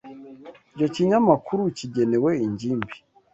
Icyo kinyamakuru kigenewe ingimbi.